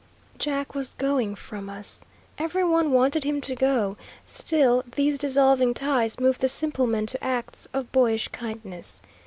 Jack was going from us. Every one wanted him to go, still these dissolving ties moved the simple men to acts of boyish kindness.